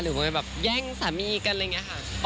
หรือว่าแย่งสามีกันอะไรอย่างนี้ค่ะ